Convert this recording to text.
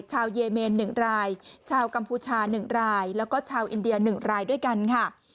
เยเมน๑รายชาวกัมพูชา๑รายแล้วก็ชาวอินเดีย๑รายด้วยกันค่ะ